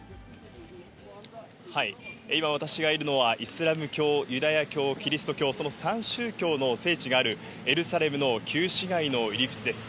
今、私がいるのは、イスラム教、ユダヤ教、キリスト教、その３宗教の聖地があるエルサレムの旧市街の入り口です。